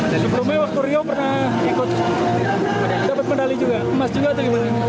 dapat medali juga emas juga